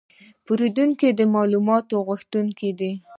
پیرودونکي د معلوماتو غوښتونکي دي.